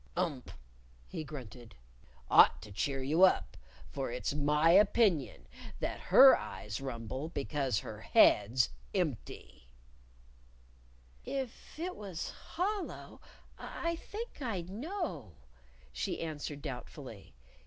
"Ump!" he grunted. "Ought to cheer you up. For it's my opinion that her eyes rumble because her head's empty." "If it was hollow I think I'd know," she answered doubtfully.